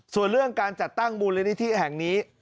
ส่วนเรื่องการจัดตั้งมูลนิธิแห่งนี้